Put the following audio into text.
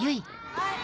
はい！